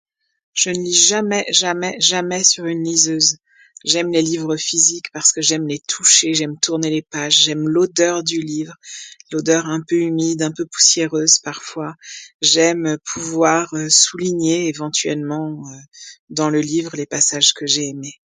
je ne vais jamais sur une liseuse